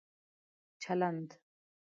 چلند